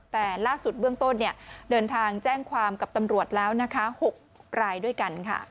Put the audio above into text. แต่ล่าสุดเบื้องต้นเดินทางแจ้งความกับตำรวจแล้วนะคะ๖รายด้วยกันค่ะ